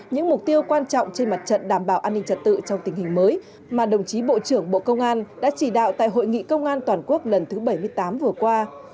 những mục tiêu quan trọng trên mặt trận đảm bảo an ninh trật tự trong tình hình mới mà đồng chí bộ trưởng bộ công an đã chỉ đạo tại hội nghị công an toàn quốc lần thứ bảy mươi tám vừa qua